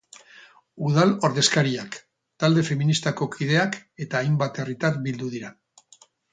Udal odezkariak, talde feministako kideak eta hainbat herritar bildu dira.